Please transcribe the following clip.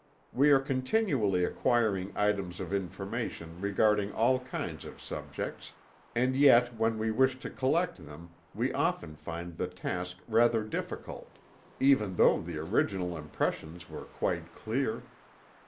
We are continually acquiring items of information regarding all kinds of subjects, and yet when we wish to collect them we often find the task rather difficult, even though the original impressions were quite clear.